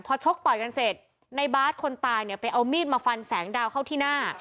พอชกต่อยกันเสร็จในบาสคนตายเนี่ยไปเอามีดมาฟันแสงดาวเข้าที่หน้า